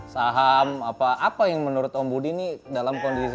saham apa apa yang menurut om budi ini dalam kondisi